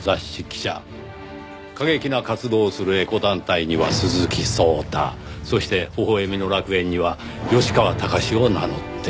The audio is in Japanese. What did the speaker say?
過激な活動をするエコ団体には鈴木聡太そして微笑みの楽園には吉川崇を名乗っていた。